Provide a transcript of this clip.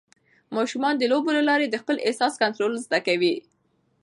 ماشومان د لوبو له لارې د خپل احساس کنټرول زده کوي.